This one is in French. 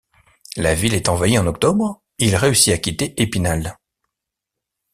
La ville est envahie en octobre; il réussit à quitter Épinal.